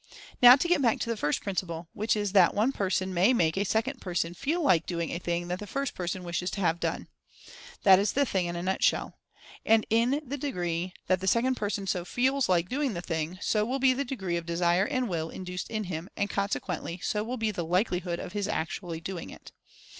Now to get back to the first principle, which is that one person may make a second person FEEL LIKE DOING a thing that the first person wishes to have done. That is the thing in a nutshell. And in the de gree that the second person so feels like doing the thing, so will be the degree of Desire and Will in duced in him, and consequently so will be the likeli hood of his actually doing it.